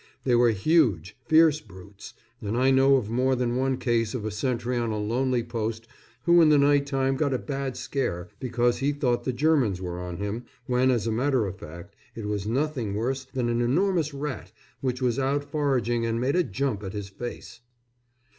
They were huge, fierce brutes, and I know of more than one case of a sentry on a lonely post who in the night time got a bad scare because he thought the Germans were on him, when as a matter of fact it was nothing worse than an enormous rat which was out foraging and made a jump at his face.